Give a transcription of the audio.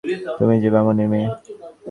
তুমি যে বামুনের মেয়ে।